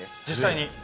実際に。